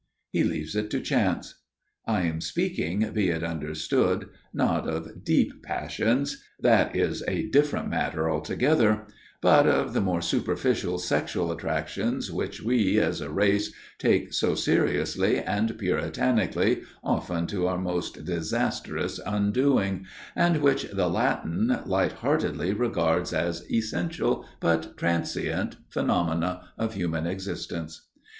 He leaves it to chance. I am speaking, be it understood, not of deep passions that is a different matter altogether but of the more superficial sexual attractions which we, as a race, take so seriously and puritanically, often to our most disastrous undoing, and which the Latin light heartedly regards as essential, but transient phenomena of human existence.